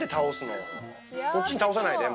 こっちに倒さないで。